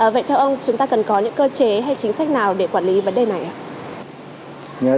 vậy theo ông chúng ta cần có những cơ chế hay chính sách nào để quản lý vấn đề này ạ